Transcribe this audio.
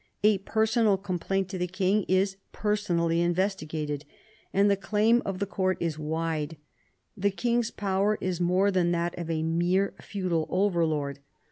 A personal complaint to the king is personally investigated. And the claim of the court is wide. The king's power is more than that of a mere feudal overlord.